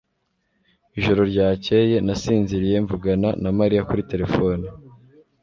Ijoro ryakeye, nasinziriye mvugana na Mariya kuri terefone.